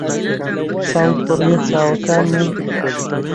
چاوت بڕیە چاوەکانم و